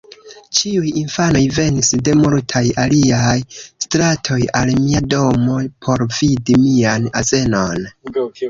Ĉiuj infanoj venis de multaj aliaj stratoj, al mia domo, por vidi mian azenon.